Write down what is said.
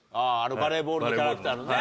バレーボールのキャラクターのね。